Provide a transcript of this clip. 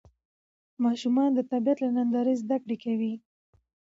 ماشومان د طبیعت له نندارې زده کړه کوي